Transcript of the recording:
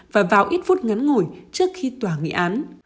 và vào ít phút ngắn ngồi trước khi tỏa nghị án